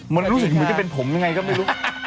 มันรู้สึกเหมือนจะเป็นผมยังไงก็ไม่รู้